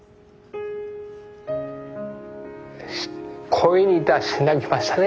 声に出して泣きましたね